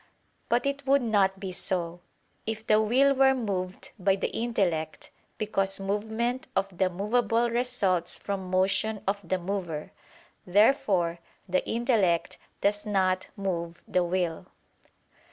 But it would not be so, if the will were moved by the intellect: because movement of the movable results from motion of the mover. Therefore the intellect does not move the will.